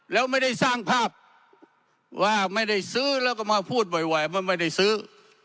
แล้วไม่ได้สร้างภาพว่าไม่ได้ซื้อแล้วก็มาพูดบ่อยว่าไม่ได้ซื้อ